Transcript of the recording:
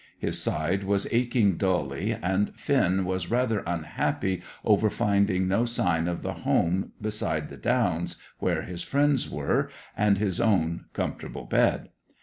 His side was aching dully, and Finn was rather unhappy over finding no sign of the home beside the Downs where his friends were, and his own comfortable bed.